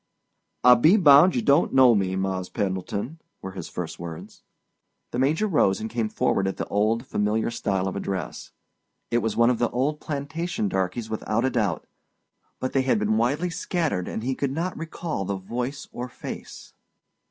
"I be bound you don't know me, Mars' Pendleton," were his first words. The Major rose and came forward at the old, familiar style of address. It was one of the old plantation darkeys without a doubt; but they had been widely scattered, and he could not recall the voice or face.